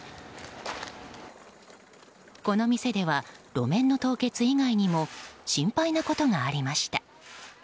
この店では、路面の凍結以外にも心配なことがありました。